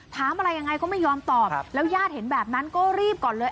ถามอะไรยังไงก็ไม่ยอมตอบแล้วญาติเห็นแบบนั้นก็รีบก่อนเลย